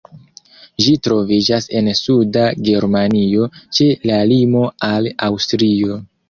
Ĝi troviĝas en suda Germanio, ĉe la limo al Aŭstrio.